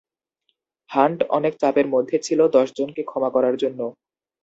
Hunt অনেক চাপের মধ্যে ছিল দশ জনকে ক্ষমা করার জন্য।